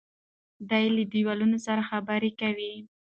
دی له دیوالونو سره خبرې کوي.